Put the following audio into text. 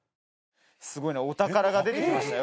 すごいなお宝が出てきましたよ